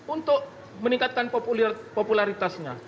untuk meningkatkan popularitasnya